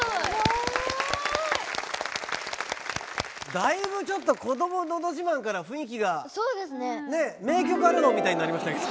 だいぶちょっと「こどものど自慢」から雰囲気が「名曲アルバム」みたいになりましたけど。